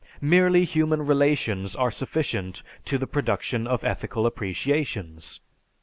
Merely human relations are sufficient to the production of ethical appreciations.